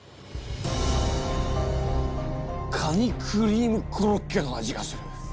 カニクリームコロッケの味がする！